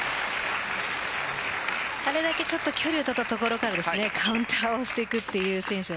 あれだけ距離を取ったところからカウンターをしていくという選手